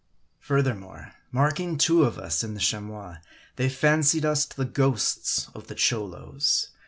Furthermore, marking two of us in the Chamois, they fancied us the ghosts of the Cholos.